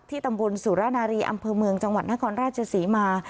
ตำบลสุรนารีอำเภอเมืองจังหวัดนครราชศรีมา